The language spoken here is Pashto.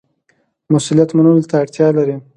مسوولیت منلو ته اړتیا لري